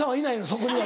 そこには。